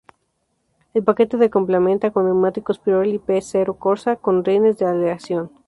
El paquete de complementa con neumáticos Pirelli P Zero Corsa, con rines de aleación.